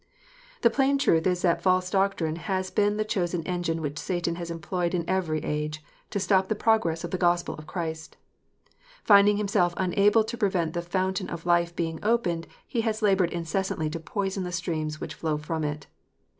The plain truth is that false doctrine has been the chosen engine which Satan has employed in every age to stop the progress of the Gospel of Christ. Finding himself unable to prevent the Fountain of Life being opened, he has laboured incessantly to poison the streams which flow from it.